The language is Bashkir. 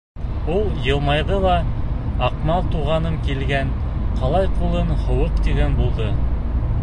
Ул йылмайҙы ла, Аҡмал туғаным килгән, ҡалай ҡулың һыуыҡ, тигән булды.